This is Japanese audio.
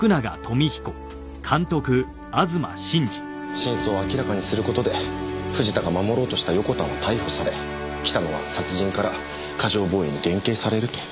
真相を明らかにする事で藤田が守ろうとした横田は逮捕され北野は殺人から過剰防衛に減刑されると。